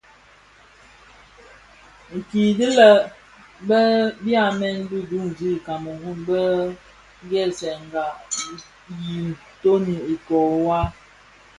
Kidhilè, bi byamèn bi duňzi i Kameru bë ghèsènga itoni ikōō waa.